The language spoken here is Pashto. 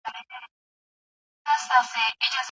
د خوړو مسمومیت د انساني ژوند د ثبات لپاره یو لوی ګواښ دی.